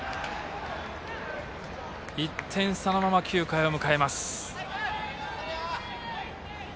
１点差のまま９回を迎えます。